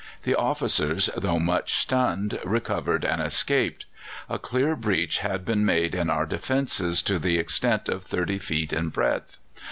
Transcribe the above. The officers, though much stunned, recovered and escaped. A clear breach had been made in our defences to the extent of 30 feet in breadth.